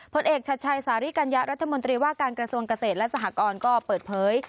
ผลเอกชัดชัยสาริกัญญะรัฐมนตรีว่าการกระทรวงเกษตรและสหกรก็เปิดเผย